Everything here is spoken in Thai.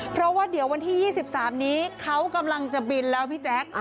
เพราะว่าเดี๋ยววันที่๒๓นี้เขากำลังจะบินแล้วพี่แจ๊ค